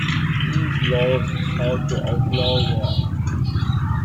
These laws sought to outlaw war.